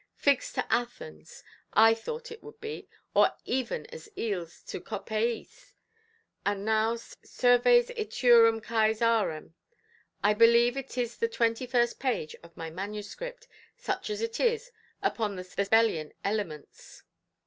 Figs to Athens, I thought it would be, or even as eels to Copaïs; and now 'serves iturum Cæsarem'. I believe it is at the twenty–first page of my manuscript, such as it is, upon the Sabellian elements".